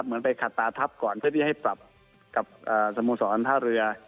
เหมือนไปขัดตาทัพก่อนเพื่อที่ให้ปรับกับสโมสรท่าเรือ